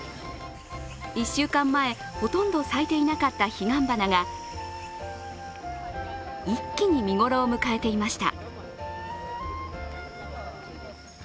１週間前、ほとんど咲いていなかった彼岸花が一気に見頃を迎えていました。